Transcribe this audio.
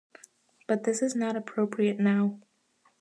But this is not appropriate now.